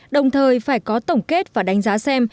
đồng thời phải có tổng kết và đánh giá xem